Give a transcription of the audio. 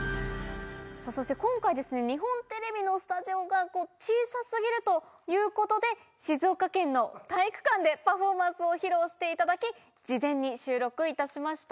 そして今回、日本テレビのスタジオが小さすぎるということで、静岡県の体育館でパフォーマンスを披露していただき、事前に収録いたしました。